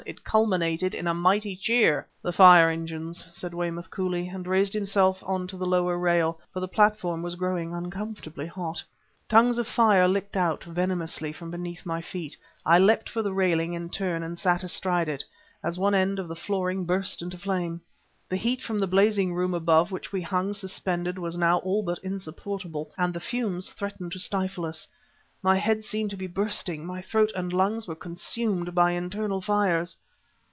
it culminated in a mighty surging cheer. "The fire engines," said Weymouth coolly and raised himself on to the lower rail, for the platform was growing uncomfortably hot. Tongues of fire licked out, venomously, from beneath my feet. I leapt for the railing in turn, and sat astride it ... as one end of the flooring burst into flame. The heat from the blazing room above which we hung suspended was now all but insupportable, and the fumes threatened to stifle us. My head seemed to be bursting; my throat and lungs were consumed by internal fires.